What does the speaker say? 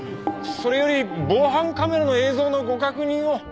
それより防犯カメラの映像のご確認を。